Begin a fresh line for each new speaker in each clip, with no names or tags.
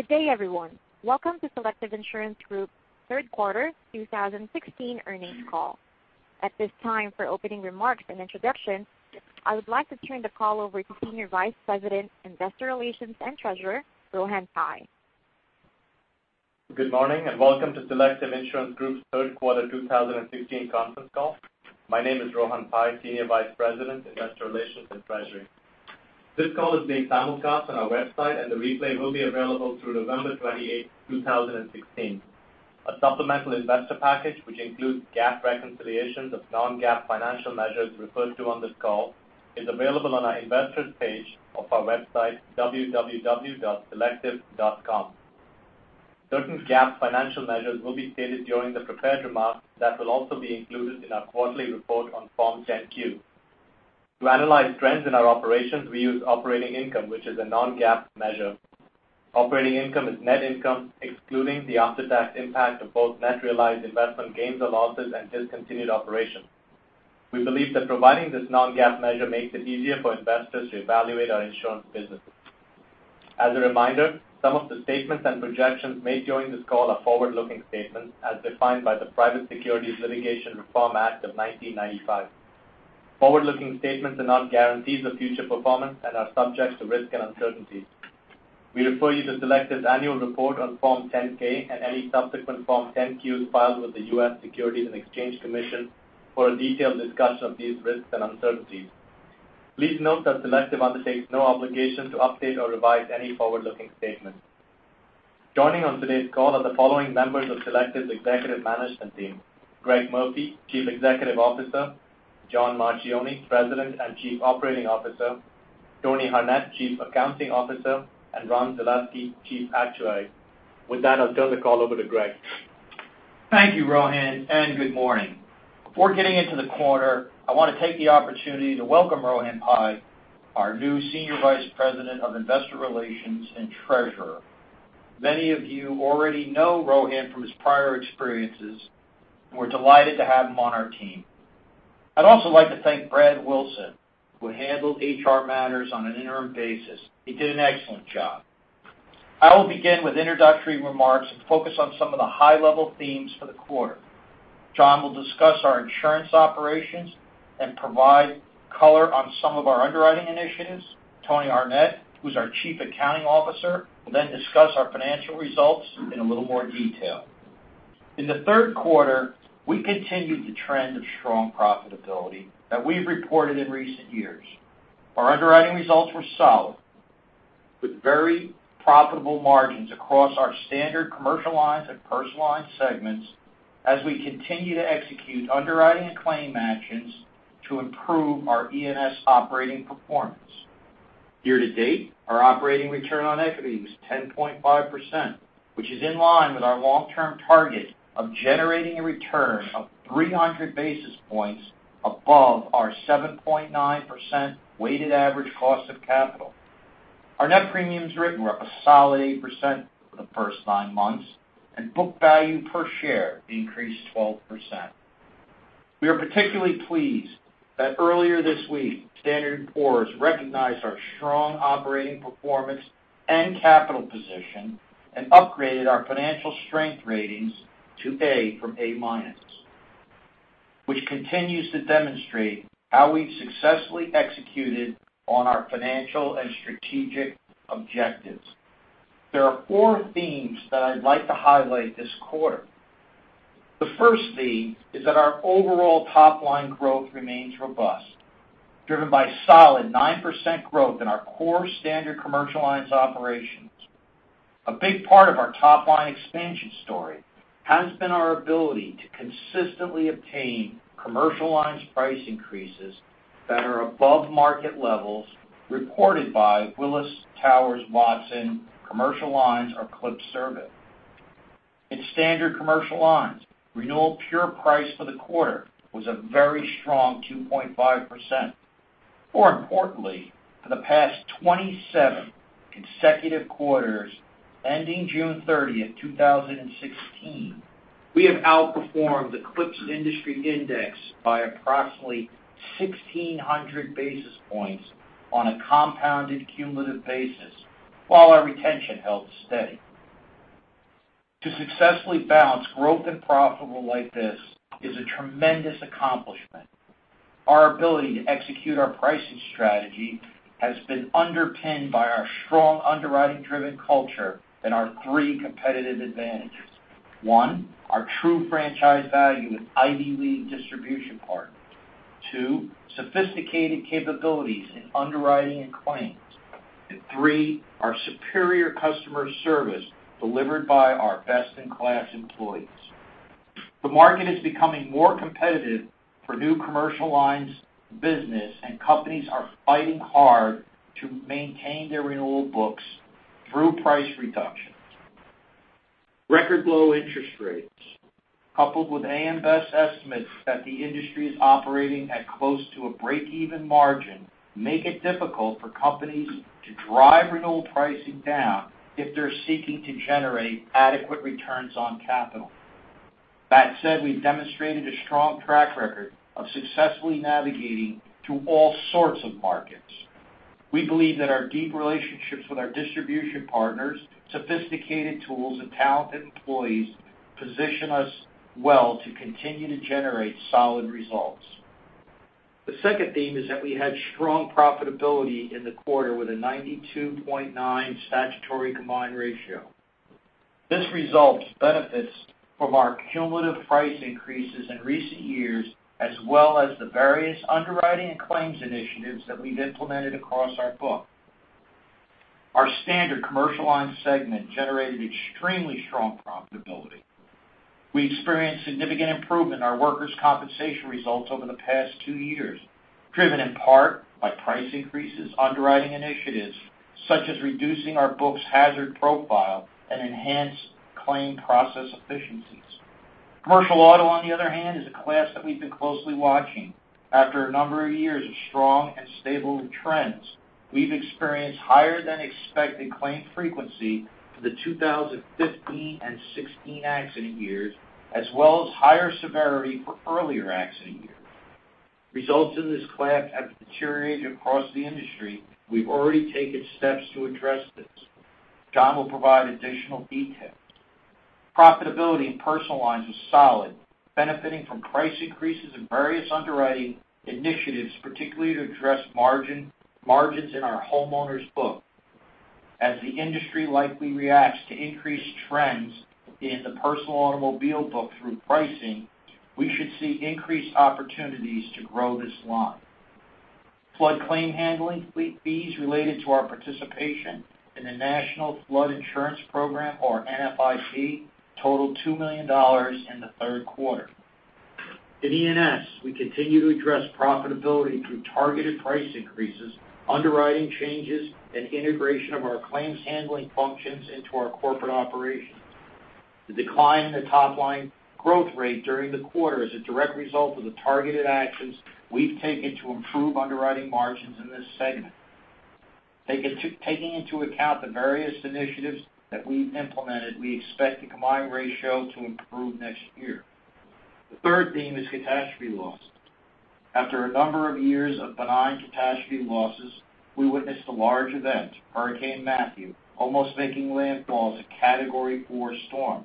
Good day, everyone. Welcome to Selective Insurance Group's third quarter 2016 earnings call. At this time, for opening remarks and introductions, I would like to turn the call over to Senior Vice President, Investor Relations and Treasurer, Rohan Pai.
Good morning. Welcome to Selective Insurance Group's third quarter 2016 conference call. My name is Rohan Pai, Senior Vice President, Investor Relations and Treasury. This call is being simulcast on our website, and the replay will be available through November 28th, 2016. A supplemental investor package, which includes GAAP reconciliations of non-GAAP financial measures referred to on this call, is available on our investors page of our website, www.selective.com. Certain GAAP financial measures will be stated during the prepared remarks that will also be included in our quarterly report on Form 10-Q. To analyze trends in our operations, we use operating income, which is a non-GAAP measure. Operating income is net income, excluding the after-tax impact of both net realized investment gains or losses and discontinued operations. We believe that providing this non-GAAP measure makes it easier for investors to evaluate our insurance business. As a reminder, some of the statements and projections made during this call are forward-looking statements as defined by the Private Securities Litigation Reform Act of 1995. Forward-looking statements are not guarantees of future performance and are subject to risks and uncertainties. We refer you to Selective's annual report on Form 10-K and any subsequent Form 10-Qs filed with the U.S. Securities and Exchange Commission for a detailed discussion of these risks and uncertainties. Please note that Selective undertakes no obligation to update or revise any forward-looking statements. Joining on today's call are the following members of Selective's executive management team: Greg Murphy, Chief Executive Officer; John Marchioni, President and Chief Operating Officer; Tony Harnett, Chief Accounting Officer; and Ron Zalaski, Chief Actuary. With that, I'll turn the call over to Greg.
Thank you, Rohan. Good morning. Before getting into the quarter, I want to take the opportunity to welcome Rohan Pai, our new Senior Vice President of Investor Relations and Treasurer. Many of you already know Rohan from his prior experiences, and we're delighted to have him on our team. I'd also like to thank Brad Wilson, who handled HR matters on an interim basis. He did an excellent job. I will begin with introductory remarks and focus on some of the high-level themes for the quarter. John will discuss our insurance operations and provide color on some of our underwriting initiatives. Tony Harnett, who's our Chief Accounting Officer, will then discuss our financial results in a little more detail. In the third quarter, we continued the trend of strong profitability that we've reported in recent years. Our underwriting results were solid, with very profitable margins across our Standard Commercial Lines and Personal Lines segments as we continue to execute underwriting and claim actions to improve our E&S operating performance. Year-to-date, our operating return on equity was 10.5%, which is in line with our long-term target of generating a return of 300 basis points above our 7.9% weighted average cost of capital. Our net premiums written were up a solid 8% for the first nine months, and book value per share increased 12%. We are particularly pleased that earlier this week, Standard & Poor's recognized our strong operating performance and capital position and upgraded our financial strength ratings to A from A minus, which continues to demonstrate how we've successfully executed on our financial and strategic objectives. There are four themes that I'd like to highlight this quarter. The first theme is that our overall top-line growth remains robust, driven by solid 9% growth in our core Standard Commercial Lines operations. A big part of our top-line expansion story has been our ability to consistently obtain Commercial Lines price increases that are above market levels reported by Willis Towers Watson Commercial Lines, or CLPP survey. In Standard Commercial Lines, renewal pure price for the quarter was a very strong 2.5%. More importantly, for the past 27 consecutive quarters ending June 30th, 2016, we have outperformed the CLPP's industry index by approximately 1,600 basis points on a compounded cumulative basis while our retention held steady. To successfully balance growth and profitable like this is a tremendous accomplishment. Our ability to execute our pricing strategy has been underpinned by our strong underwriting-driven culture and our three competitive advantages. One, our true franchise value with Ivy League distribution partners. Two, sophisticated capabilities in underwriting and claims. Three, our superior customer service delivered by our best-in-class employees. The market is becoming more competitive for new Commercial Lines business, and companies are fighting hard to maintain their renewal books through price reductions. Record low interest rates, coupled with A.M. Best estimates that the industry is operating at close to a break-even margin, make it difficult for companies to drive renewal pricing down if they're seeking to generate adequate returns on capital. That said, we've demonstrated a strong track record of successfully navigating through all sorts of markets. We believe that our deep relationships with our distribution partners, sophisticated tools, and talented employees position us well to continue to generate solid results. The second theme is that we had strong profitability in the quarter with a 92.9 statutory combined ratio. This results benefits from our cumulative price increases in recent years, as well as the various underwriting and claims initiatives that we've implemented across our book. Our Standard Commercial Lines segment generated extremely strong profitability. We experienced significant improvement in our Workers' Compensation results over the past two years, driven in part by price increases, underwriting initiatives, such as reducing our book's hazard profile, and enhanced claim process efficiencies. Commercial Auto, on the other hand, is a class that we've been closely watching. After a number of years of strong and stable trends, we've experienced higher than expected claim frequency for the 2015 and 2016 accident years, as well as higher severity for earlier accident years. Results in this class have deteriorated across the industry. We've already taken steps to address this. John will provide additional details. Profitability in personal lines was solid, benefiting from price increases and various underwriting initiatives, particularly to address margins in our homeowners book. As the industry likely reacts to increased trends in the personal automobile book through pricing, we should see increased opportunities to grow this line. Flood claim handling fees related to our participation in the National Flood Insurance Program, or NFIP, totaled $2 million in the third quarter. In E&S, we continue to address profitability through targeted price increases, underwriting changes, and integration of our claims handling functions into our corporate operations. The decline in the top-line growth rate during the quarter is a direct result of the targeted actions we've taken to improve underwriting margins in this segment. Taking into account the various initiatives that we've implemented, we expect the combined ratio to improve next year. The third theme is catastrophe loss. After a number of years of benign catastrophe losses, we witnessed a large event, Hurricane Matthew, almost making landfall as a Category 4 storm.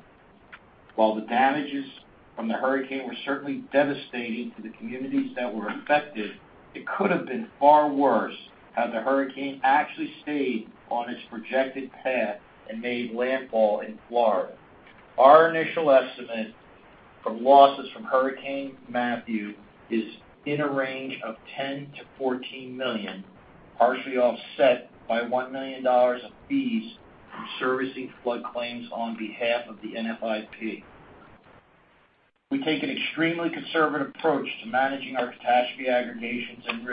While the damages from the hurricane were certainly devastating to the communities that were affected, it could have been far worse had the hurricane actually stayed on its projected path and made landfall in Florida. Our initial estimate from losses from Hurricane Matthew is in a range of $10 million to $14 million, partially offset by $1 million of fees from servicing flood claims on behalf of the NFIP. We take an extremely conservative approach to managing our catastrophe aggregations and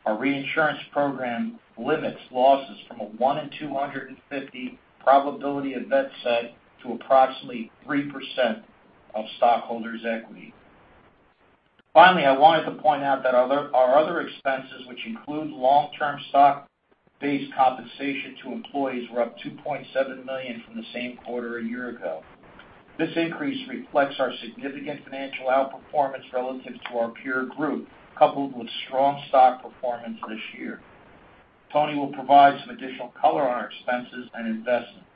risks. Our reinsurance program limits losses from a one in 250 probability event set to approximately 3% of stockholders' equity. Finally, I wanted to point out that our other expenses, which include long-term stock-based compensation to employees, were up $2.7 million from the same quarter a year ago. This increase reflects our significant financial outperformance relative to our peer group, coupled with strong stock performance this year. Tony will provide some additional color on our expenses and investments,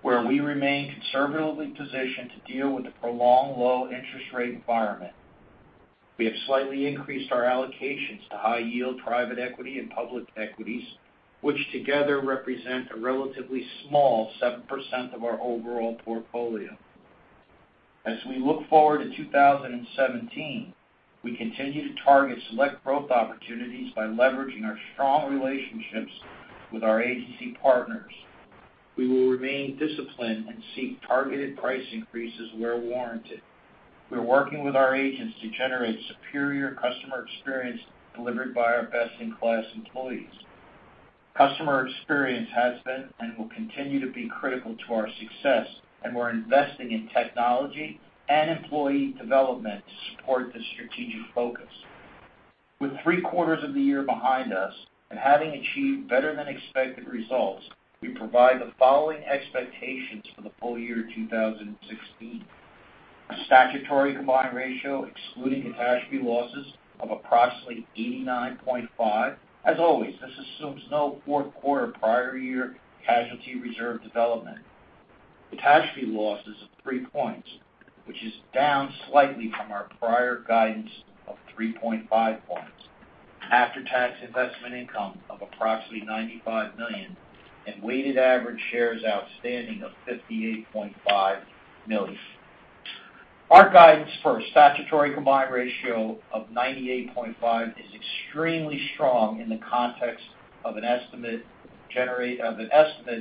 where we remain conservatively positioned to deal with the prolonged low interest rate environment. We have slightly increased our allocations to high yield private equity and public equities, which together represent a relatively small 7% of our overall portfolio. As we look forward to 2017, we continue to target select growth opportunities by leveraging our strong relationships with our agency partners. We will remain disciplined and seek targeted price increases where warranted. We're working with our agents to generate superior customer experience delivered by our best-in-class employees. Customer experience has been and will continue to be critical to our success, and we're investing in technology and employee development to support this strategic focus. With three quarters of the year behind us and having achieved better than expected results, we provide the following expectations for the full year 2016. A statutory combined ratio excluding catastrophe losses of approximately 89.5%. As always, this assumes no fourth quarter prior year casualty reserve development. Catastrophe losses of three points, which is down slightly from our prior guidance of 3.5 points. After-tax investment income of approximately $95 million, and weighted average shares outstanding of 58.5 million. Our guidance for a statutory combined ratio of 98.5% is extremely strong in the context of an estimate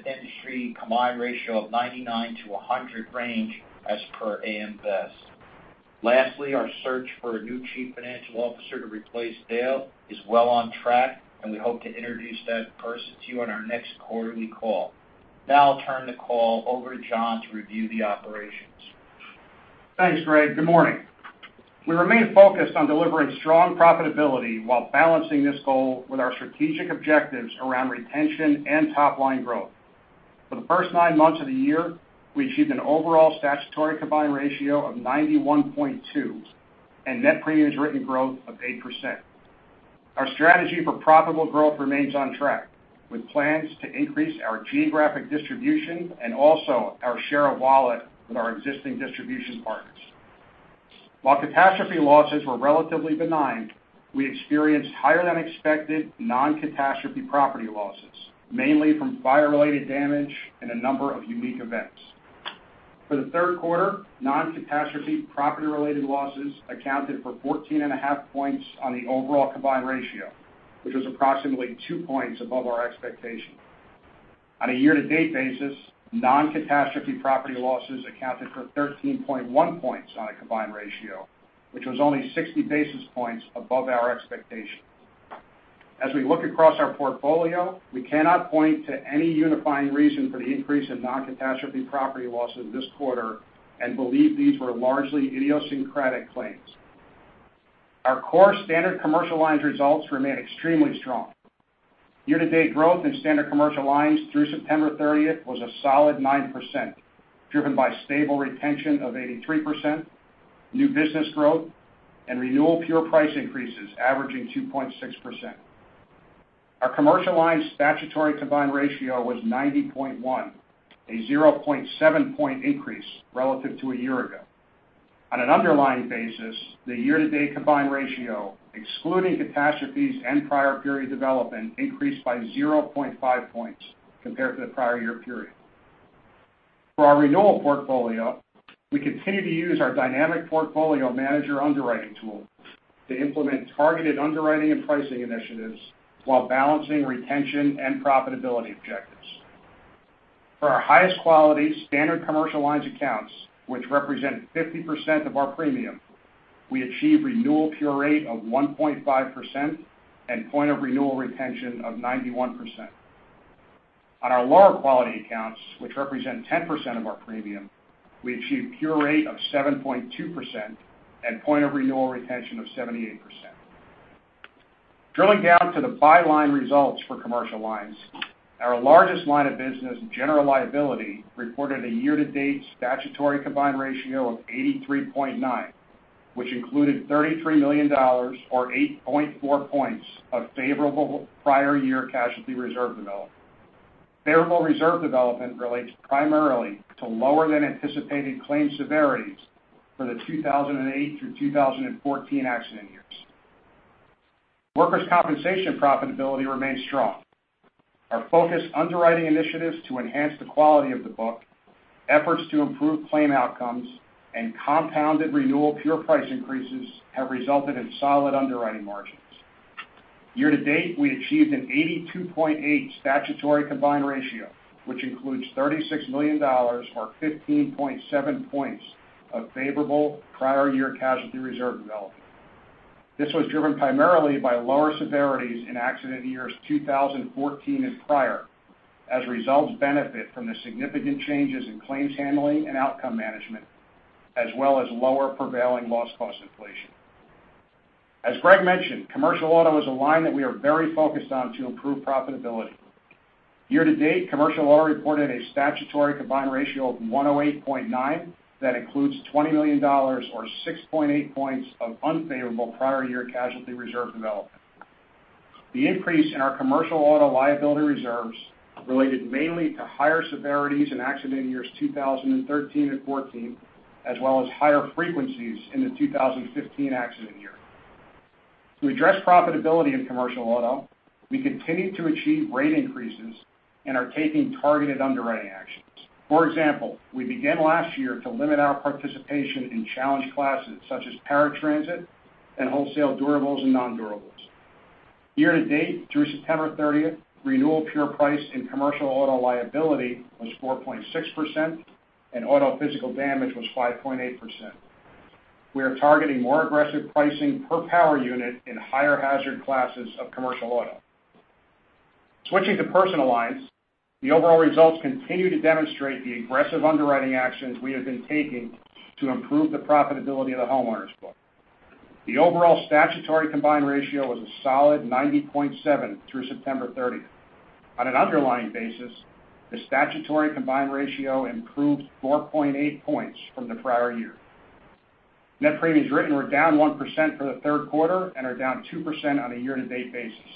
industry combined ratio of 99%-100% range as per A.M. Best. Lastly, our search for a new Chief Financial Officer to replace Dale is well on track, and we hope to introduce that person to you on our next quarterly call. Now I'll turn the call over to John to review the operations.
Thanks, Greg. Good morning. We remain focused on delivering strong profitability while balancing this goal with our strategic objectives around retention and top-line growth. For the first nine months of the year, we achieved an overall statutory combined ratio of 91.2 and net premiums written growth of 8%. Our strategy for profitable growth remains on track, with plans to increase our geographic distribution and also our share of wallet with our existing distribution partners. While catastrophe losses were relatively benign, we experienced higher-than-expected non-catastrophe property losses, mainly from fire-related damage and a number of unique events. For the third quarter, non-catastrophe property-related losses accounted for 14.5 points on the overall combined ratio, which was approximately two points above our expectation. On a year-to-date basis, non-catastrophe property losses accounted for 13.1 points on a combined ratio, which was only 60 basis points above our expectation. As we look across our portfolio, we cannot point to any unifying reason for the increase in non-catastrophe property losses this quarter and believe these were largely idiosyncratic claims. Our core Standard Commercial Lines results remain extremely strong. Year-to-date growth in Standard Commercial Lines through September 30th was a solid 9%, driven by stable retention of 83%, new business growth, and renewal pure price increases averaging 2.6%. Our Commercial Lines statutory combined ratio was 90.1, a 0.7 point increase relative to a year ago. On an underlying basis, the year-to-date combined ratio, excluding catastrophes and prior period development, increased by 0.5 points compared to the prior year period. For our renewal portfolio, we continue to use our Dynamic Portfolio Manager underwriting tool to implement targeted underwriting and pricing initiatives while balancing retention and profitability objectives. For our highest quality Standard Commercial Lines accounts, which represent 50% of our premium, we achieved renewal pure rate of 1.5% and point of renewal retention of 91%. On our lower quality accounts, which represent 10% of our premium, we achieved pure rate of 7.2% and point of renewal retention of 78%. Drilling down to the byline results for Commercial Lines, our largest line of business, General Liability, reported a year-to-date statutory combined ratio of 83.9, which included $33 million, or 8.4 points of favorable prior year casualty reserve development. Favorable reserve development relates primarily to lower than anticipated claim severities for the 2008 through 2014 accident years. Workers' Compensation profitability remains strong. Our focused underwriting initiatives to enhance the quality of the book, efforts to improve claim outcomes, and compounded renewal pure price increases have resulted in solid underwriting margins. Year to date, we achieved an 82.8 statutory combined ratio, which includes $36 million or 15.7 points of favorable prior year casualty reserve development. This was driven primarily by lower severities in accident years 2014 and prior as results benefit from the significant changes in claims handling and outcome management, as well as lower prevailing loss cost inflation. As Greg mentioned, Commercial Auto is a line that we are very focused on to improve profitability. Year to date, Commercial Auto reported a statutory combined ratio of 108.9 that includes $20 million or 6.8 points of unfavorable prior year casualty reserve development. The increase in our Commercial Auto liability reserves related mainly to higher severities in accident years 2013 and 2014, as well as higher frequencies in the 2015 accident year. To address profitability in Commercial Auto, we continue to achieve rate increases and are taking targeted underwriting actions. For example, we began last year to limit our participation in challenge classes such as paratransit and wholesale durables and non-durables. Year to date through September 30th, renewal pure price in Commercial Auto liability was 4.6%, and auto physical damage was 5.8%. We are targeting more aggressive pricing per power unit in higher hazard classes of Commercial Auto. Switching to Personal Lines, the overall results continue to demonstrate the aggressive underwriting actions we have been taking to improve the profitability of the homeowners' book. The overall statutory combined ratio was a solid 90.7 through September 30th. On an underlying basis, the statutory combined ratio improved 4.8 points from the prior year. Net premiums written were down 1% for the third quarter and are down 2% on a year-to-date basis.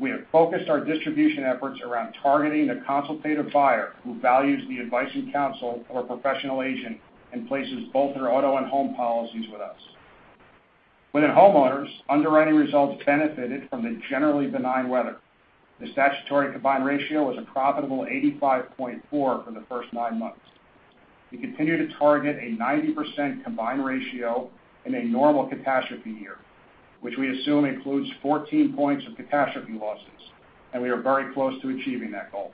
We have focused our distribution efforts around targeting the consultative buyer who values the advice and counsel of a professional agent and places both their auto and home policies with us. Within homeowners, underwriting results benefited from the generally benign weather. The statutory combined ratio was a profitable 85.4 for the first nine months. We continue to target a 90% combined ratio in a normal catastrophe year, which we assume includes 14 points of catastrophe losses, and we are very close to achieving that goal.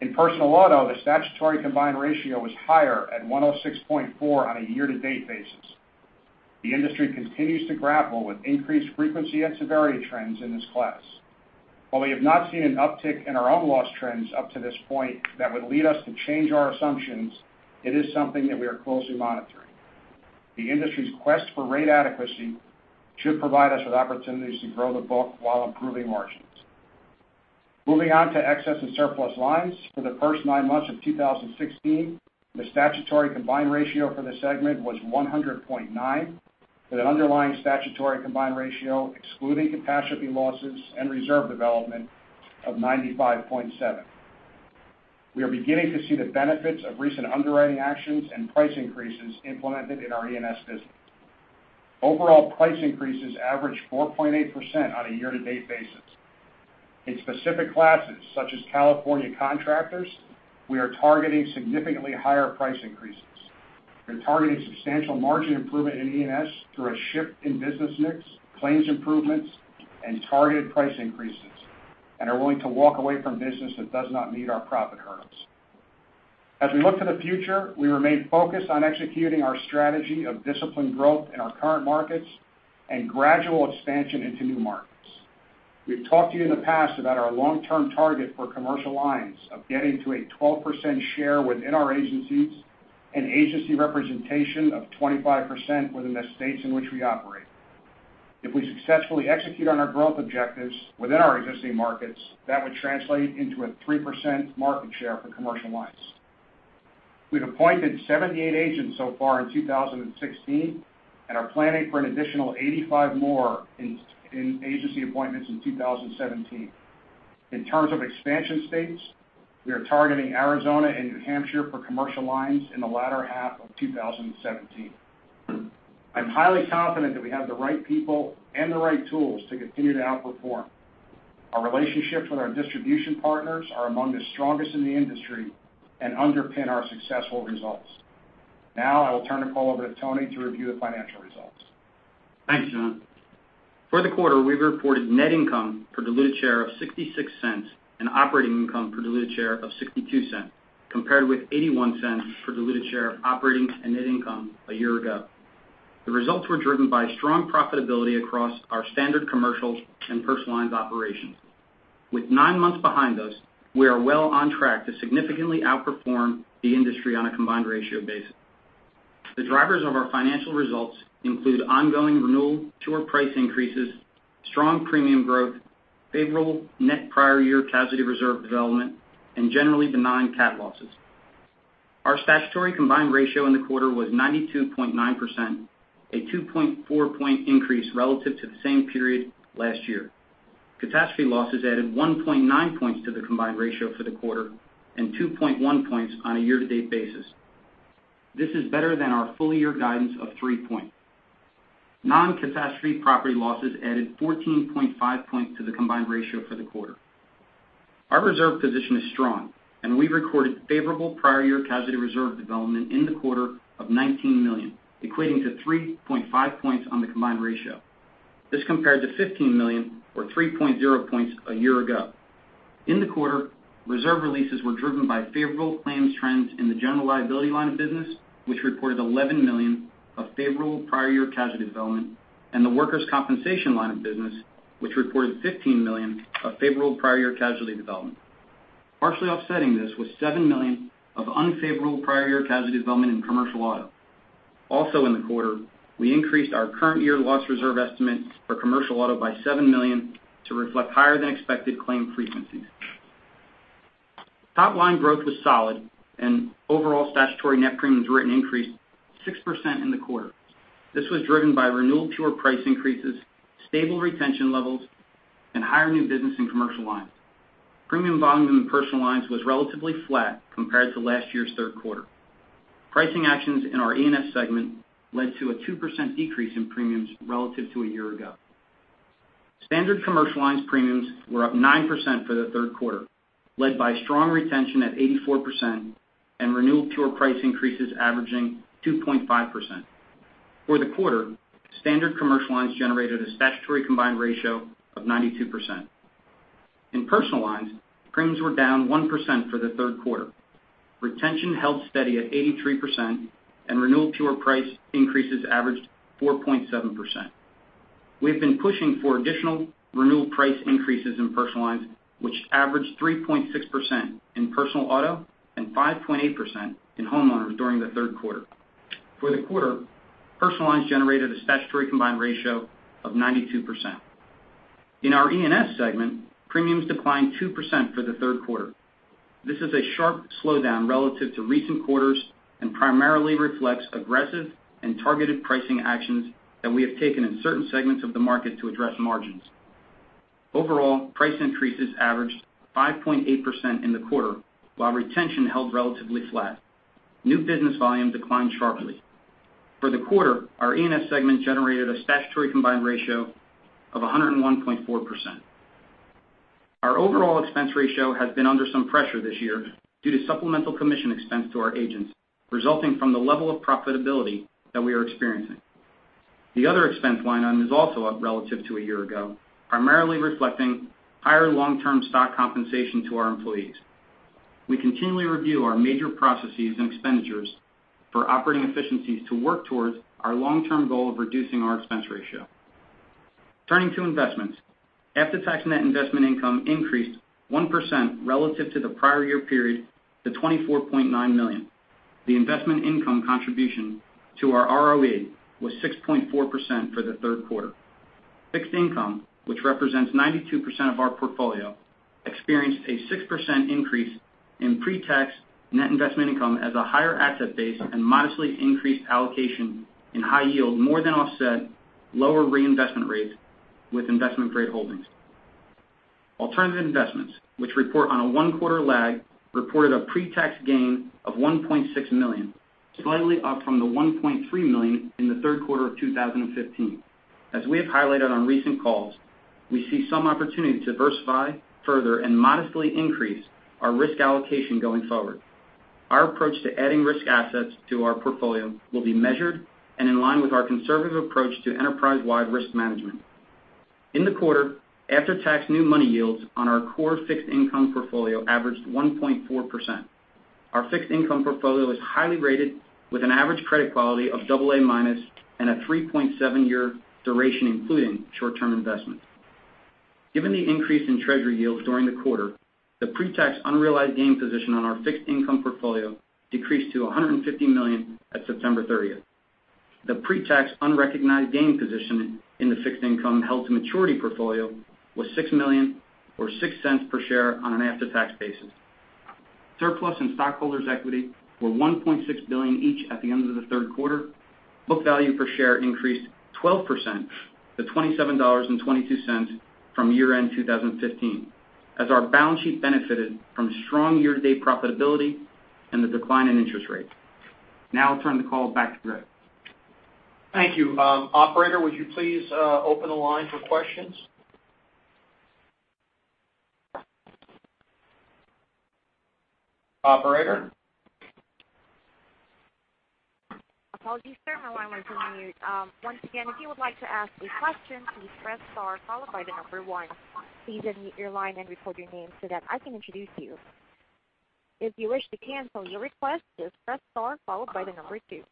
In Personal Auto, the statutory combined ratio was higher at 106.4 on a year-to-date basis. The industry continues to grapple with increased frequency and severity trends in this class. While we have not seen an uptick in our own loss trends up to this point that would lead us to change our assumptions, it is something that we are closely monitoring. The industry's quest for rate adequacy should provide us with opportunities to grow the book while improving margins. Moving on to Excess and Surplus Lines. For the first nine months of 2016, the statutory combined ratio for the segment was 100.9, with an underlying statutory combined ratio excluding catastrophe losses and reserve development of 95.7. We are beginning to see the benefits of recent underwriting actions and price increases implemented in our E&S business. Overall price increases averaged 4.8% on a year-to-date basis. In specific classes, such as California contractors, we are targeting significantly higher price increases. We're targeting substantial margin improvement in E&S through a shift in business mix, claims improvements, and targeted price increases, and are willing to walk away from business that does not meet our profit hurdles. As we look to the future, we remain focused on executing our strategy of disciplined growth in our current markets and gradual expansion into new markets. We've talked to you in the past about our long-term target for Commercial Lines of getting to a 12% share within our agencies and agency representation of 25% within the states in which we operate. If we successfully execute on our growth objectives within our existing markets, that would translate into a 3% market share for Commercial Lines. We've appointed 78 agents so far in 2016 and are planning for an additional 85 more in agency appointments in 2017. In terms of expansion states, we are targeting Arizona and New Hampshire for Commercial Lines in the latter half of 2017. I'm highly confident that we have the right people and the right tools to continue to outperform. Our relationships with our distribution partners are among the strongest in the industry and underpin our successful results. I will turn the call over to Tony to review the financial results.
Thanks, John. For the quarter, we've reported net income per diluted share of $0.66 and operating income per diluted share of $0.62, compared with $0.81 per diluted share of operating and net income a year ago. The results were driven by strong profitability across our Standard Commercial Lines and Personal Lines operations. With nine months behind us, we are well on track to significantly outperform the industry on a combined ratio basis. The drivers of our financial results include ongoing renewal pure price increases, strong premium growth, favorable net prior year casualty reserve development, and generally benign cat losses. Our statutory combined ratio in the quarter was 92.9%, a 2.4 point increase relative to the same period last year. Catastrophe losses added 1.9 points to the combined ratio for the quarter and 2.1 points on a year-to-date basis. This is better than our full-year guidance of three point. Non-catastrophe property losses added 14.5 points to the combined ratio for the quarter. Our reserve position is strong, and we recorded favorable prior year casualty reserve development in the quarter of $19 million, equating to 3.5 points on the combined ratio. This compared to $15 million or 3.0 points a year ago. In the quarter, reserve releases were driven by favorable claims trends in the General Liability line of business, which reported $11 million of favorable prior year casualty development, and the Workers' Compensation line of business, which reported $15 million of favorable prior year casualty development. Partially offsetting this was $7 million of unfavorable prior year casualty development in Commercial Auto. In the quarter, we increased our current year loss reserve estimates for Commercial Auto by $7 million to reflect higher than expected claim frequencies. Top-line growth was solid. Overall statutory net premiums written increased 6% in the quarter. This was driven by renewal pure price increases, stable retention levels, and higher new business in Commercial Lines. Premium volume in Personal Lines was relatively flat compared to last year's third quarter. Pricing actions in our E&S segment led to a 2% decrease in premiums relative to a year ago. Standard Commercial Lines premiums were up 9% for the third quarter, led by strong retention at 84% and renewal pure price increases averaging 2.5%. For the quarter, Standard Commercial Lines generated a statutory combined ratio of 92%. In Personal Lines, premiums were down 1% for the third quarter. Retention held steady at 83%, and renewal pure price increases averaged 4.7%. We've been pushing for additional renewal price increases in Personal Lines, which averaged 3.6% in personal auto and 5.8% in homeowners during the third quarter. For the quarter, Personal Lines generated a statutory combined ratio of 92%. In our E&S segment, premiums declined 2% for the third quarter. This is a sharp slowdown relative to recent quarters and primarily reflects aggressive and targeted pricing actions that we have taken in certain segments of the market to address margins. Overall, price increases averaged 5.8% in the quarter, while retention held relatively flat. New business volume declined sharply. For the quarter, our E&S segment generated a statutory combined ratio of 101.4%. Our overall expense ratio has been under some pressure this year due to supplemental commission expense to our agents, resulting from the level of profitability that we are experiencing. The other expense line item is also up relative to a year ago, primarily reflecting higher long-term stock compensation to our employees. We continually review our major processes and expenditures for operating efficiencies to work towards our long-term goal of reducing our expense ratio. Turning to investments. After-tax net investment income increased 1% relative to the prior year period to $24.9 million. The investment income contribution to our ROE was 6.4% for the third quarter. Fixed income, which represents 92% of our portfolio, experienced a 6% increase in pre-tax net investment income as a higher asset base and modestly increased allocation in high yield, more than offset lower reinvestment rates with investment-grade holdings. Alternative investments, which report on a one-quarter lag, reported a pre-tax gain of $1.6 million, slightly up from the $1.3 million in the third quarter of 2015. As we have highlighted on recent calls, we see some opportunity to diversify further and modestly increase our risk allocation going forward. Our approach to adding risk assets to our portfolio will be measured and in line with our conservative approach to enterprise-wide risk management. In the quarter, after-tax new money yields on our core fixed income portfolio averaged 1.4%. Our fixed income portfolio is highly rated, with an average credit quality of double A minus and a 3.7-year duration, including short-term investments. Given the increase in treasury yields during the quarter, the pre-tax unrealized gain position on our fixed income portfolio decreased to $150 million at September 30th. The pre-tax unrecognized gain position in the fixed income held to maturity portfolio was $6 million or $0.06 per share on an after-tax basis. Surplus and stockholders' equity were $1.6 billion each at the end of the third quarter. Book value per share increased 12% to $27.22 from year-end 2015 as our balance sheet benefited from strong year-to-date profitability and the decline in interest rates. I'll turn the call back to Greg.
Thank you. Operator, would you please open the line for questions? Operator?
Apologies, sir. My line was on mute. Once again, if you would like to ask a question, please press star followed by the number one. Please unmute your line and record your name so that I can introduce you. If you wish to cancel your request, just press star followed by the number two.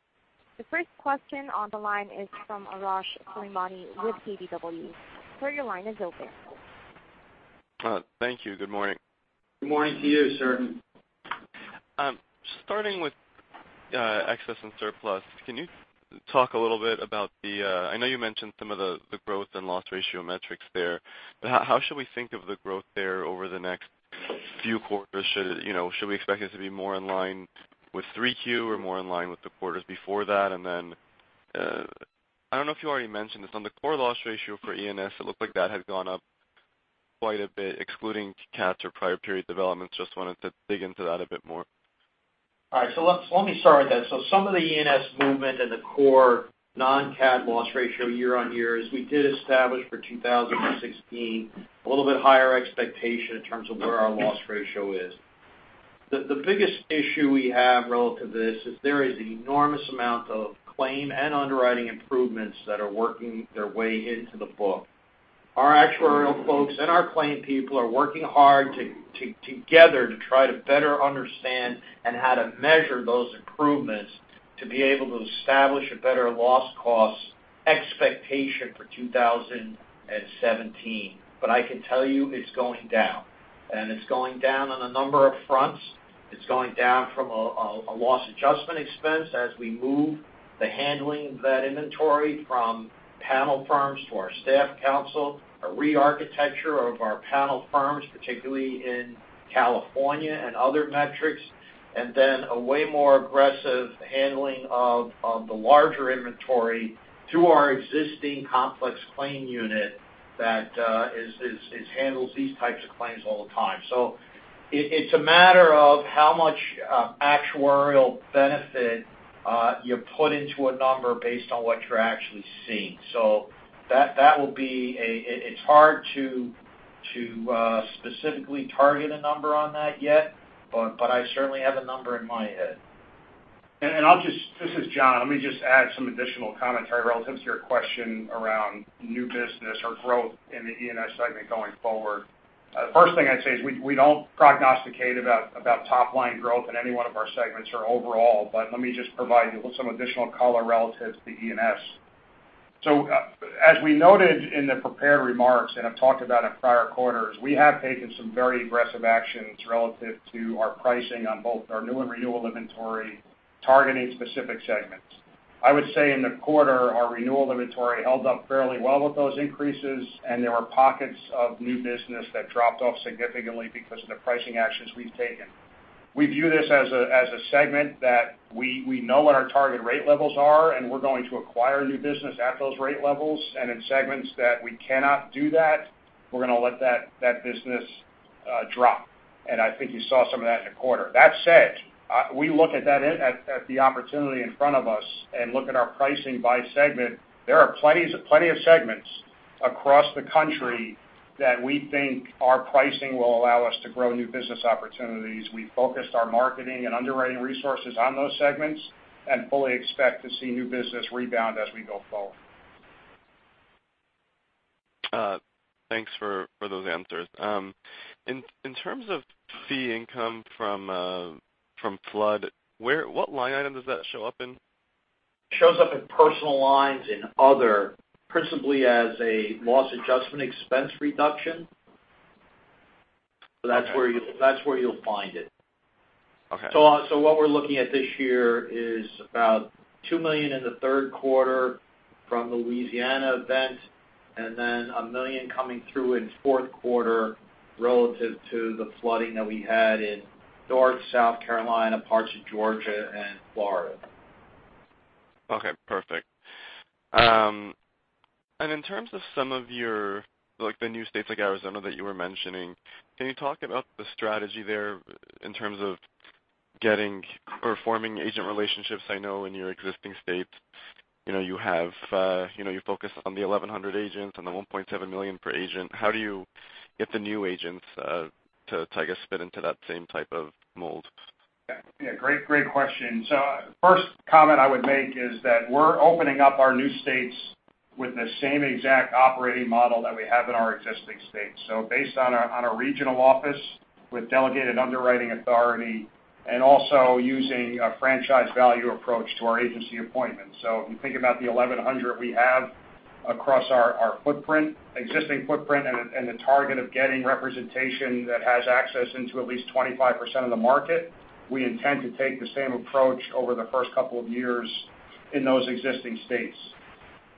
The first question on the line is from Arash Soleimani with KBW. Sir, your line is open.
Thank you. Good morning.
Good morning to you, sir.
Starting with Excess and Surplus, can you talk a little bit about I know you mentioned some of the growth and loss ratio metrics there, but how should we think of the growth there over the next few quarters? Should we expect it to be more in line with 3Q or more in line with the quarters before that? I don't know if you already mentioned this. On the core loss ratio for ENS, it looked like that had gone up quite a bit, excluding CATs or prior period developments. Just wanted to dig into that a bit more.
Let me start with that. Some of the ENS movement and the core non-CAT loss ratio year-on-year is we did establish for 2016 a little bit higher expectation in terms of where our loss ratio is. The biggest issue we have relative to this is there is an enormous amount of claim and underwriting improvements that are working their way into the book. Our actuarial folks and our claim people are working hard together to try to better understand and how to measure those improvements to be able to establish a better loss cost expectation for 2017. I can tell you it's going down, and it's going down on a number of fronts. It's going down from a loss adjustment expense as we move the handling of that inventory from panel firms to our staff counsel, a re-architecture of our panel firms, particularly in California and other metrics, a way more aggressive handling of the larger inventory through our existing complex claim unit that handles these types of claims all the time. It's a matter of how much actuarial benefit you put into a number based on what you're actually seeing. It's hard to specifically target a number on that yet, I certainly have a number in my head.
This is John. Let me just add some additional commentary relative to your question around new business or growth in the ENS segment going forward. The first thing I'd say is we don't prognosticate about top-line growth in any one of our segments or overall, but let me just provide you with some additional color relative to the ENS. As we noted in the prepared remarks and have talked about in prior quarters, we have taken some very aggressive actions relative to our pricing on both our new and renewal inventory targeting specific segments. I would say in the quarter, our renewal inventory held up fairly well with those increases, and there were pockets of new business that dropped off significantly because of the pricing actions we've taken. We view this as a segment that we know what our target rate levels are, and we're going to acquire new business at those rate levels. In segments that we cannot do that, we're going to let that business drop. I think you saw some of that in the quarter. That said, we look at the opportunity in front of us and look at our pricing by segment. There are plenty of segments across the country that we think our pricing will allow us to grow new business opportunities. We focused our marketing and underwriting resources on those segments and fully expect to see new business rebound as we go forward.
Thanks for those answers. In terms of fee income from flood, what line item does that show up in?
It shows up in Personal Lines in other, principally as a loss adjustment expense reduction. That's where you'll find it.
Okay.
What we're looking at this year is about $2 million in the third quarter from the Louisiana event, then $1 million coming through in fourth quarter relative to the flooding that we had in North, South Carolina, parts of Georgia and Florida.
Okay, perfect. In terms of some of your new states like Arizona that you were mentioning, can you talk about the strategy there in terms of getting or forming agent relationships? I know in your existing states, you focus on the 1,100 agents and the $1.7 million per agent. How do you get the new agents to fit into that same type of mold?
Great question. First comment I would make is that we're opening up our new states with the same exact operating model that we have in our existing states. Based on a regional office with delegated underwriting authority and also using a franchise value approach to our agency appointments. If you think about the 1,100 we have across our existing footprint and the target of getting representation that has access into at least 25% of the market, we intend to take the same approach over the first couple of years in those existing states.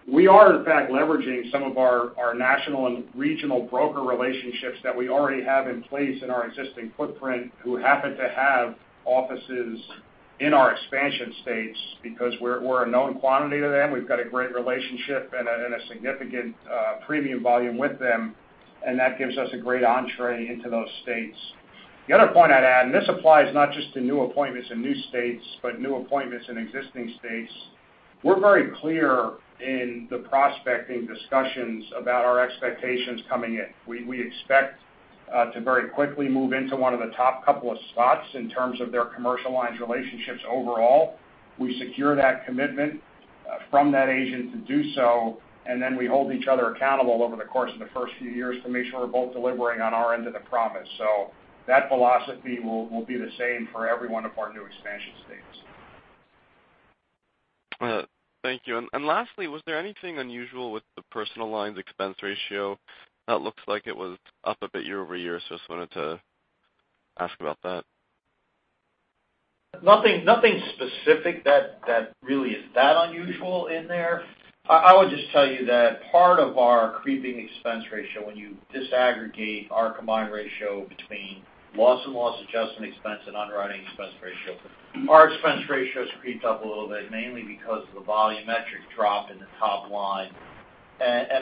We are, in fact, leveraging some of our national and regional broker relationships that we already have in place in our existing footprint who happen to have offices in our expansion states because we're a known quantity to them. We've got a great relationship and a significant premium volume with them, that gives us a great entrée into those states. The other point I'd add, this applies not just to new appointments in new states, but new appointments in existing states. We're very clear in the prospecting discussions about our expectations coming in. We expect to very quickly move into one of the top couple of spots in terms of their commercial lines relationships overall. We secure that commitment from that agent to do so, then we hold each other accountable over the course of the first few years to make sure we're both delivering on our end of the promise. That philosophy will be the same for every one of our new expansion states.
Thank you. Lastly, was there anything unusual with the Personal Lines expense ratio? That looks like it was up a bit year-over-year. Just wanted to ask about that.
Nothing specific that really is that unusual in there. I would just tell you that part of our creeping expense ratio, when you disaggregate our combined ratio between loss and loss adjustment expense and underwriting expense ratio, our expense ratios creeped up a little bit, mainly because of the volumetric drop in the top line.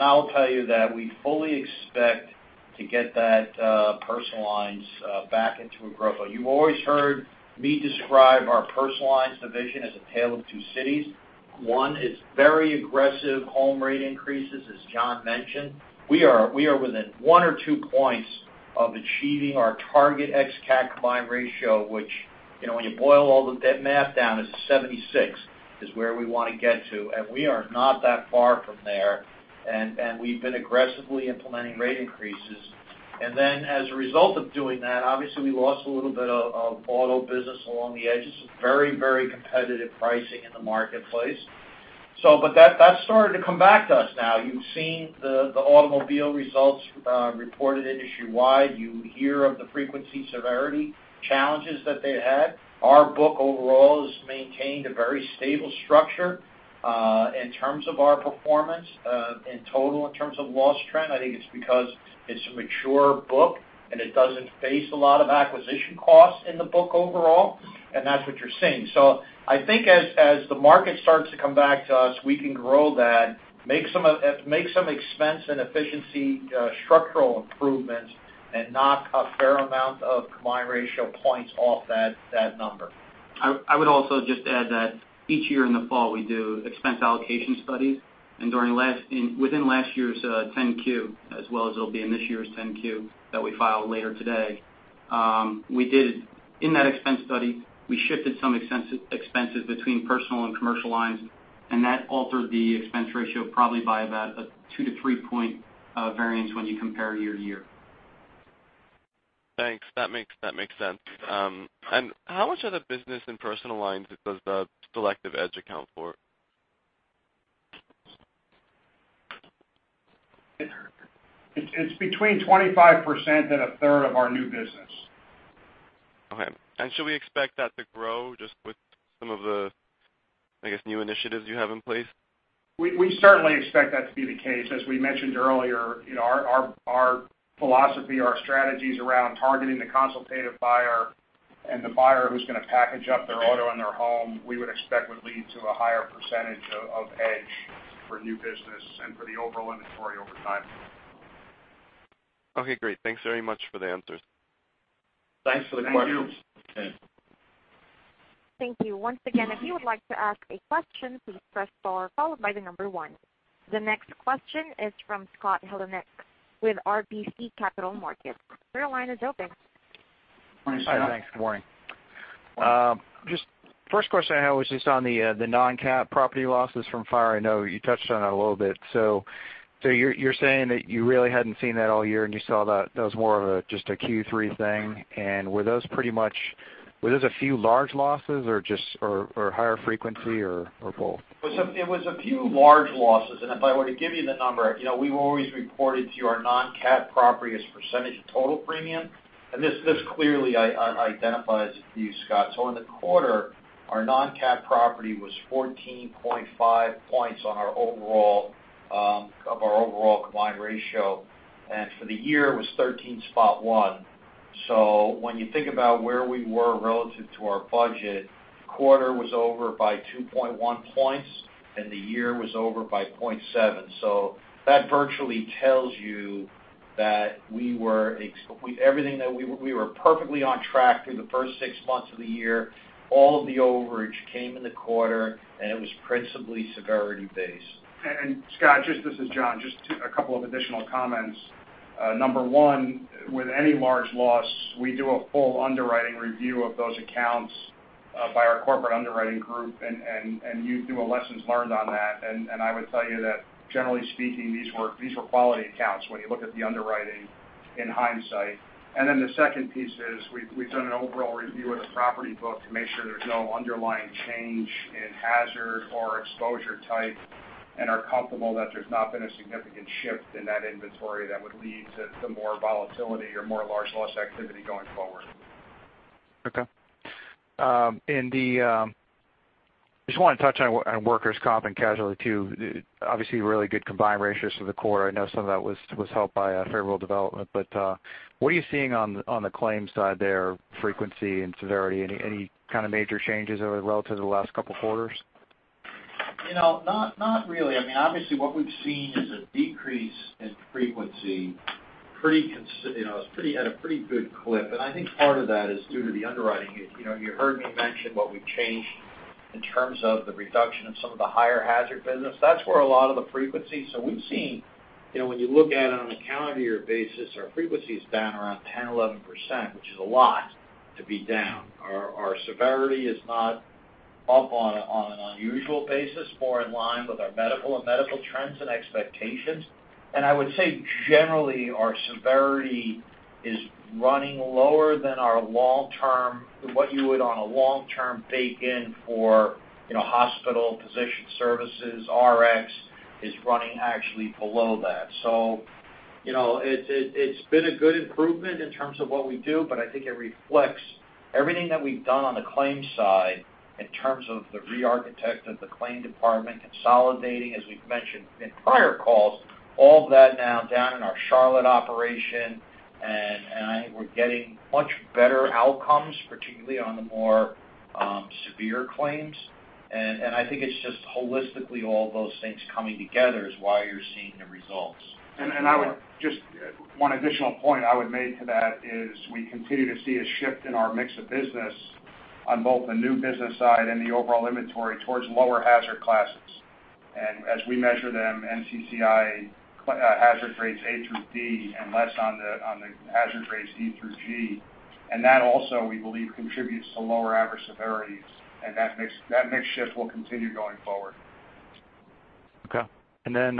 I'll tell you that we fully expect to get that Personal Lines back into a growth. You always heard me describe our Personal Lines division as a tale of two cities. One is very aggressive home rate increases, as John mentioned. We are within one or two points of achieving our target ex-CAT combined ratio, which, when you boil all the math down, is a 76, is where we want to get to. We are not that far from there, and we've been aggressively implementing rate increases. As a result of doing that, obviously we lost a little bit of auto business along the edges. Very competitive pricing in the marketplace. That started to come back to us now. You've seen the automobile results reported industry-wide. You hear of the frequency severity challenges that they had. Our book overall has maintained a very stable structure, in terms of our performance in total, in terms of loss trend. I think it's because it's a mature book. It doesn't face a lot of acquisition costs in the book overall. That's what you're seeing. I think as the market starts to come back to us, we can grow that, make some expense and efficiency structural improvements, and knock a fair amount of combined ratio points off that number.
I would also just add that each year in the fall, we do expense allocation studies. Within last year's 10-Q, as well as it'll be in this year's 10-Q that we file later today, in that expense study, we shifted some expenses between Personal and Commercial Lines. That altered the expense ratio probably by about a 2- to 3-point variance when you compare year-to-year.
Thanks. That makes sense. How much of the business and personal lines does The Selective Edge account for?
It's between 25% and a third of our new business.
Okay. Should we expect that to grow just with some of the new initiatives you have in place?
We certainly expect that to be the case. As we mentioned earlier, our philosophy, our strategies around targeting the consultative buyer and the buyer who's going to package up their auto and their home, we would expect would lead to a higher percentage of Edge for new business and for the overall inventory over time.
Okay, great. Thanks very much for the answers.
Thanks for the questions.
Thank you. Okay.
Thank you. Once again, if you would like to ask a question, please press star followed by the number one. The next question is from Scott Heleniak with RBC Capital Markets. Your line is open.
Hi, thanks. Good morning. Just first question I had was just on the non-CAT property losses from fire. I know you touched on it a little bit. You're saying that you really hadn't seen that all year, and you saw that was more of just a Q3 thing. Were those a few large losses or higher frequency or both?
It was a few large losses. If I were to give you the number, we've always reported to our non-CAT property as percentage of total premium, and this clearly identifies for you, Scott. In the quarter, our non-CAT property was 14.5 points of our overall combined ratio. For the year, it was 13.1. When you think about where we were relative to our budget, quarter was over by 2.1 points, and the year was over by 0.7. That virtually tells you that we were perfectly on track through the first six months of the year. All of the overage came in the quarter, and it was principally severity based.
Scott, this is John. Just a couple of additional comments. Number one, with any large loss, we do a full underwriting review of those accounts by our corporate underwriting group, and you do a lessons learned on that. I would tell you that generally speaking, these were quality accounts when you look at the underwriting in hindsight. The second piece is we've done an overall review of the property book to make sure there's no underlying change in hazard or exposure type, and are comfortable that there's not been a significant shift in that inventory that would lead to some more volatility or more large loss activity going forward.
Okay. Just want to touch on workers' comp and casualty too. Obviously, really good combined ratios for the quarter. I know some of that was helped by favorable development. What are you seeing on the claims side there, frequency and severity? Any kind of major changes over relative to the last couple of quarters?
Not really. Obviously, what we've seen is a decrease in frequency at a pretty good clip. I think part of that is due to the underwriting. You heard me mention what we've changed in terms of the reduction in some of the higher hazard business. That's where a lot of the frequency. We've seen, when you look at it on a calendar year basis, our frequency is down around 10%, 11%, which is a lot to be down. Our severity is not up on an unusual basis, more in line with our medical and medical trends and expectations. I would say, generally, our severity is running lower than our long-term, what you would on a long-term bake in for hospital physician services, Rx is running actually below that. It's been a good improvement in terms of what we do, but I think it reflects everything that we've done on the claims side in terms of the re-architect of the claim department, consolidating, as we've mentioned in prior calls, all of that now down in our Charlotte operation. I think we're getting much better outcomes, particularly on the more severe claims. I think it's just holistically all those things coming together is why you're seeing the results.
Just one additional point I would make to that is I continue to see a shift in our mix of business on both the new business side and the overall inventory towards lower hazard classes. As we measure them, NCCI hazard rates A through D and less on the hazard rates E through G. That also, we believe, contributes to lower average severities, and that mix shift will continue going forward.
Okay. Then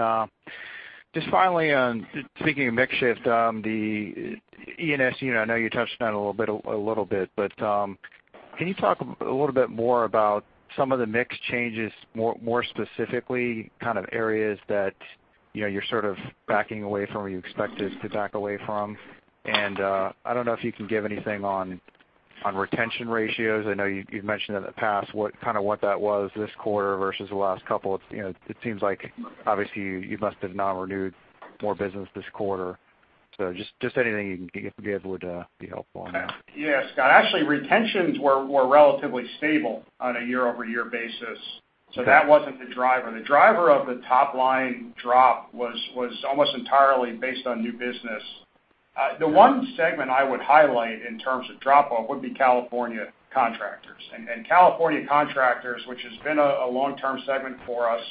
just finally on speaking of mix shift, the E&S, I know you touched on it a little bit, but can you talk a little bit more about some of the mix changes, more specifically kind of areas that you're sort of backing away from or you expected to back away from? I don't know if you can give anything on retention ratios. I know you've mentioned in the past kind of what that was this quarter versus the last couple. It seems like obviously you must have non-renewed more business this quarter. Just anything you can give would be helpful on that.
Yeah, Scott. Actually, retentions were relatively stable on a year-over-year basis. Okay. That wasn't the driver. The driver of the top-line drop was almost entirely based on new business. The one segment I would highlight in terms of drop-off would be California contractors. California contractors, which has been a long-term segment for us,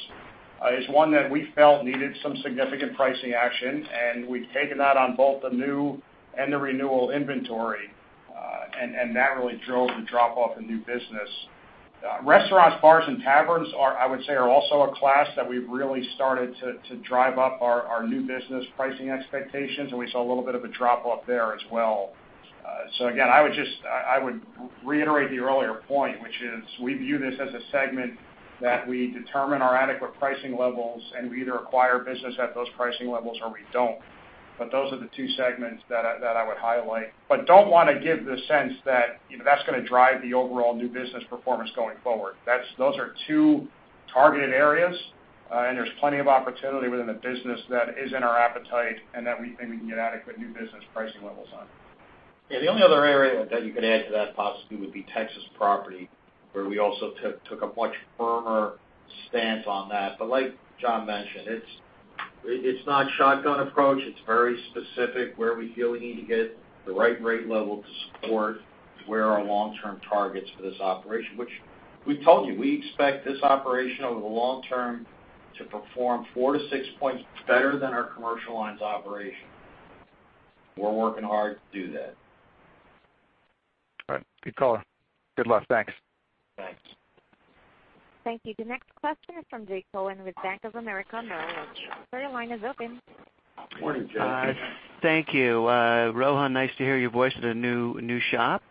is one that we felt needed some significant pricing action, and we've taken that on both the new and the renewal inventory. That really drove the drop-off in new business. Restaurants, bars, and taverns, I would say, are also a class that we've really started to drive up our new business pricing expectations, and we saw a little bit of a drop-off there as well. Again, I would reiterate the earlier point, which is we view this as a segment that we determine our adequate pricing levels, and we either acquire business at those pricing levels or we don't. Those are the two segments that I would highlight. Don't want to give the sense that's going to drive the overall new business performance going forward. Those are two targeted areas, and there's plenty of opportunity within the business that is in our appetite and that we think we can get adequate new business pricing levels on.
Yeah, the only other area that you could add to that possibly would be Texas property, where we also took a much firmer stance on that. Like John mentioned, it's not shotgun approach. It's very specific where we feel we need to get the right rate level to support where our long-term targets for this operation, which we've told you, we expect this operation over the long term To perform four to six points better than our Commercial Lines operation. We're working hard to do that.
All right. Good call. Good luck. Thanks.
Thanks.
Thank you. The next question is from Jay Cohen with Bank of America Merrill Lynch. Your line is open.
Morning, Jay.
Thank you. Rohan, nice to hear your voice in a new shop.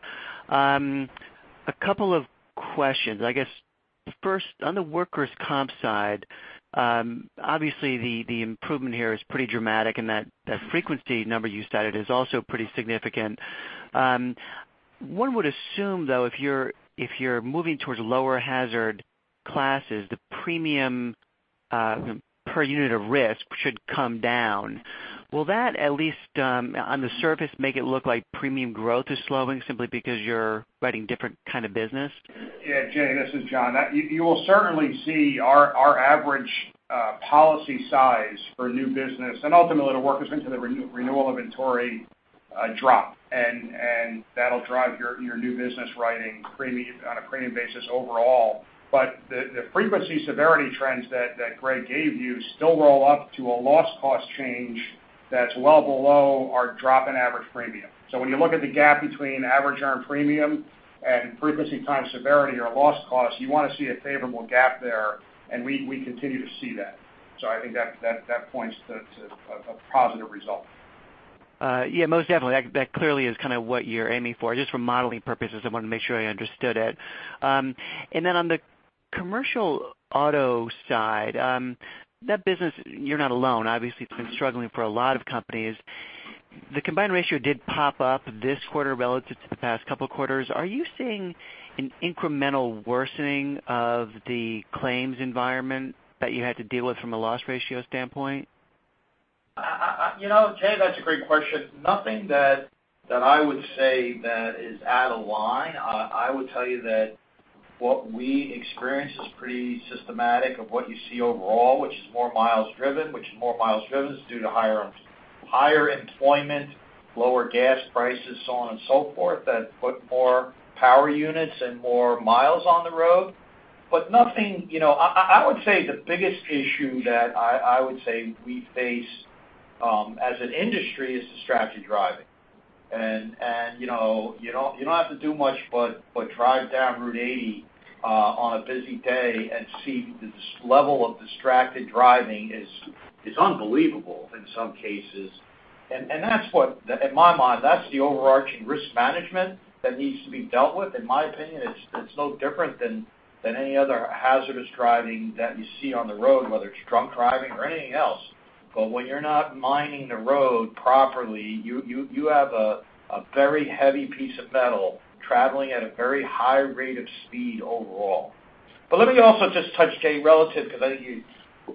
A couple of questions. First, on the Workers' Comp side, obviously the improvement here is pretty dramatic, and that frequency number you cited is also pretty significant. One would assume, though, if you are moving towards lower hazard classes, the premium per unit of risk should come down. Will that, at least on the surface, make it look like premium growth is slowing simply because you are writing different kind of business?
Jay, this is John. You will certainly see our average policy size for new business, and ultimately it will work its way into the renewal inventory drop, and that will drive your new business writing on a premium basis overall. The frequency severity trends that Greg gave you still roll up to a loss cost change that is well below our drop in average premium. When you look at the gap between average earned premium and frequency times severity or loss cost, you want to see a favorable gap there, and we continue to see that. I think that points to a positive result.
Most definitely. That clearly is kind of what you are aiming for. Just for modeling purposes, I wanted to make sure I understood it. Then on the Commercial Auto side, that business, you are not alone. Obviously, it has been struggling for a lot of companies. The combined ratio did pop up this quarter relative to the past couple quarters. Are you seeing an incremental worsening of the claims environment that you had to deal with from a loss ratio standpoint?
Jay, that is a great question. Nothing that I would say that is out of line. I would tell you that what we experience is pretty systematic of what you see overall, which is more miles driven, which is more miles driven due to higher employment, lower gas prices, so on and so forth, that put more power units and more miles on the road. I would say the biggest issue that we face, as an industry, is distracted driving. You do not have to do much but drive down Route 80 on a busy day and see this level of distracted driving is unbelievable in some cases. In my mind, that is the overarching risk management that needs to be dealt with. In my opinion, it is no different than any other hazardous driving that you see on the road, whether it is drunk driving or anything else. When you're not minding the road properly, you have a very heavy piece of metal traveling at a very high rate of speed overall. Let me also just touch, Jay,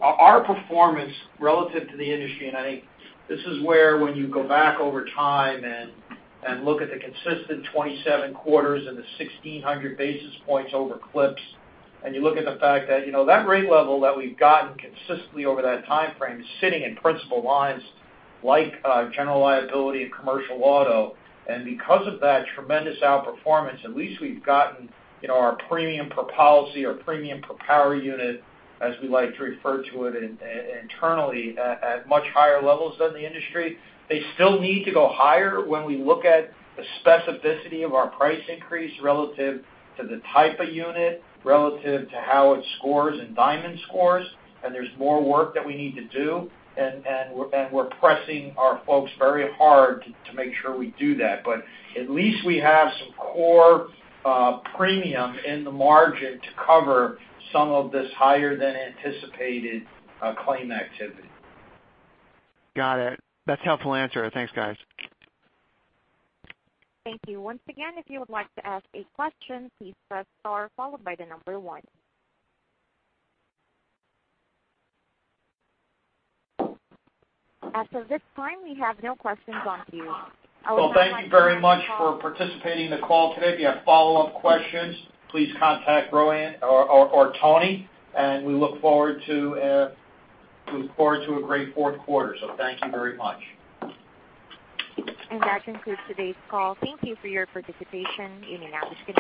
our performance relative to the industry, and I think this is where when you go back over time and look at the consistent 27 quarters and the 1,600 basis points over CLPP's, and you look at the fact that rate level that we've gotten consistently over that timeframe is sitting in principal lines like General Liability and Commercial Auto. Because of that tremendous outperformance, at least we've gotten our premium per policy or premium per power unit, as we like to refer to it internally, at much higher levels than the industry. They still need to go higher when we look at the specificity of our price increase relative to the type of unit, relative to how it scores in Diamond scores. There's more work that we need to do, and we're pressing our folks very hard to make sure we do that. At least we have some core premium in the margin to cover some of this higher than anticipated claim activity.
Got it. That's a helpful answer. Thanks, guys.
Thank you. Once again, if you would like to ask a question, please press star followed by the number one. As of this time, we have no questions on queue.
Thank you very much for participating in the call today. If you have follow-up questions, please contact Rohan or Tony, and we look forward to a great fourth quarter. Thank you very much.
That concludes today's call. Thank you for your participation. You may now disconnect.